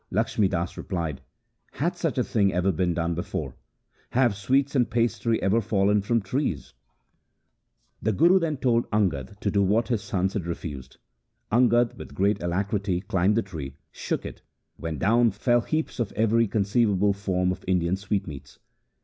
Lakhmi Das replied, ' Hath such a thing ever been done before ? Have sweets and pastry ever fallen from trees ?' The Guru then told Angad to do what his sons had refused. Angad with great alacrity climbed the tree, shook it, when down fell heaps of io THE SIKH RELIGION every conceivable form of Indian sweetmeats.